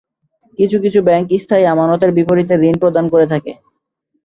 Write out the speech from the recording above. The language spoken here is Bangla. কিছু কিছু ব্যাংক স্থায়ী আমানতের বিপরীতে ঋণ প্রদান করে থাকে।